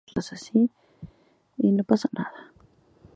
Poco antes de su fallecimiento fue ascendido al rango de Teniente general.